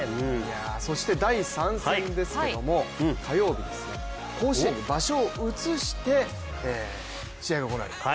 そして第３戦ですけど、火曜日甲子園に場所を移して試合が行われると。